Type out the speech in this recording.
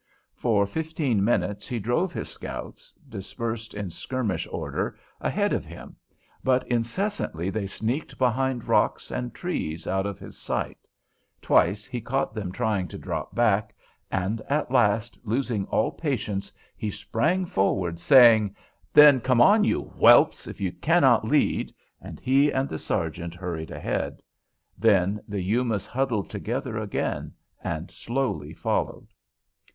For fifteen minutes he drove his scouts, dispersed in skirmish order, ahead of him, but incessantly they sneaked behind rocks and trees out of his sight; twice he caught them trying to drop back, and at last, losing all patience, he sprang forward, saying, "Then come on, you whelps, if you cannot lead," and he and the sergeant hurried ahead. Then the Yumas huddled together again and slowly followed.